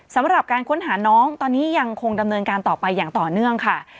สำหรับการค้นหาน้องตอนนี้ยังคงดำเนินการต่อไปอย่างต่อเนื่องค่ะ